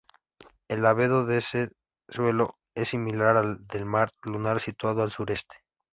El albedo de este suelo es similar al del mar lunar situado al sureste.